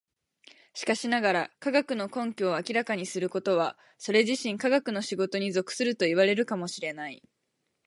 しかしながら、科学の根拠を明らかにすることはそれ自身科学の仕事に属するといわれるかも知れない。